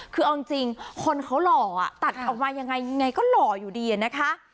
คือเอาจริงคนเขาหล่อตัดออกมายังไงยังไงก็หล่ออยู่ดีนะคะ